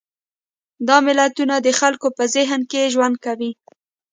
دا ملتونه د خلکو په ذهن کې ژوند کوي.